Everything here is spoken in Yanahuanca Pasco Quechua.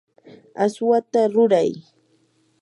aswata ruray.